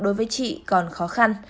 đối với chị còn khó khăn